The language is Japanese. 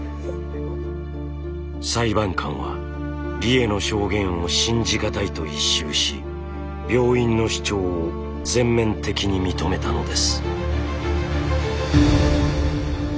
裁判官は理栄の証言を信じ難いと一蹴し病院の主張を全面的に認めたのです。